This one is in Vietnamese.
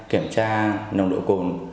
kiểm tra nồng độ cồn